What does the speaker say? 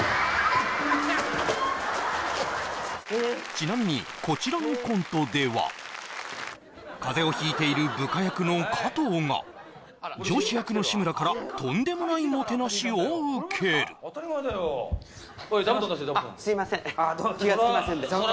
ちなみにこちらのコントでは風邪をひいている部下役の加藤が上司役の志村からとんでもないもてなしを受けるすいません気がつきませんでああ